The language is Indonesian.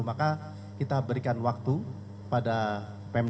maka kita berikan waktu pada pemkot